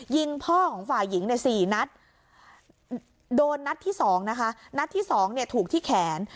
ยิงพ่อของฝ่ายหญิงเนี่ย๔นัดโดนนัดที่๒นะคะนัดที่สองเนี่ยถูกที่แขน